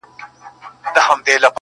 ستا خو جانانه د رڼا خبر په لـپـه كي وي.